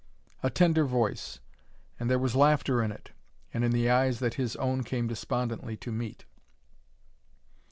A tender voice: and there was laughter in it and in the eyes that his own came despondently to meet.